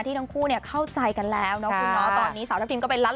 ที่ทั้งคู่เข้าใจกันแล้วนะคุณน้อง